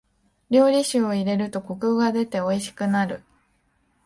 料理酒を入れるとコクが出ておいしくなる。